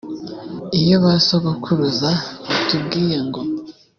iyo basogokuruza batubwiye ngo